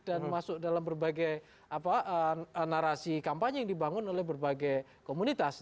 dan masuk dalam berbagai narasi kampanye yang dibangun oleh berbagai komunitas